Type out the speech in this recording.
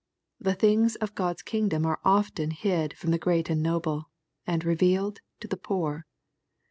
The things of God's kingdom are often hid from the great and noble, and revealed to the poor.